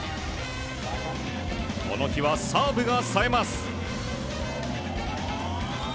この日はサーブがさえます。